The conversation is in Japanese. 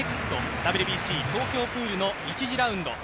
ＷＢＣ東京プールの１次ラウンド。